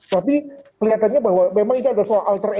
tapi kelihatannya bahwa memang ini adalah soal alkanisme